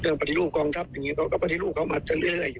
เรื่องปฏิรูปกองทัพอย่างนี้ก็ปฏิรูปเขามาเต็มเรื่อยอยู่